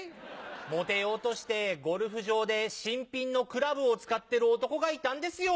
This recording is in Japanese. モテようとしてゴルフ場で新品のクラブを使ってる男がいたんですよ。